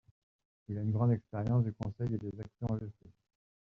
Il a une grande expérience du conseil et des actions en justice.